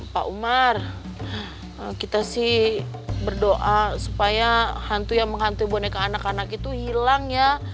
pak umar kita sih berdoa supaya hantu yang menghantui boneka anak anak itu hilang ya